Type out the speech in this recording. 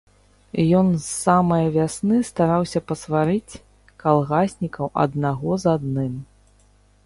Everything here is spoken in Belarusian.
Ён з самае вясны стараўся пасварыць калгаснікаў аднаго з адным.